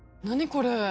これ。